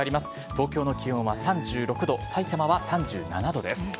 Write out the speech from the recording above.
東京の気温は３６度、さいたまは３７度です。